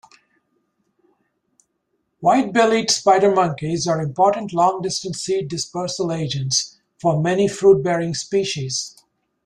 White-bellied spider monkeys are important long-distance seed dispersal agents for many fruit-bearing species.